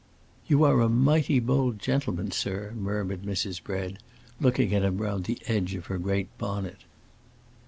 "You are a mighty bold gentleman, sir," murmured Mrs. Bread, looking at him round the edge of her great bonnet.